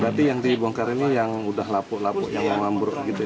berarti yang dibongkar ini yang udah lapuk lapuk yang ambruk gitu ya